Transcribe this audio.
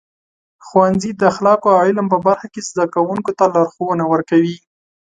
ښوونځي د اخلاقو او علم په برخه کې زده کوونکو ته لارښونه ورکوي.